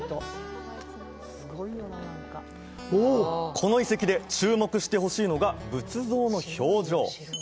この遺跡で注目してほしいのが仏像の表情